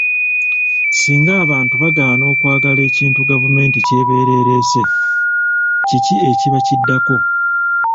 Singa abantu bagaana okwagala ekintu gavumenti kyebeera ereese kiki ekiba kiddako?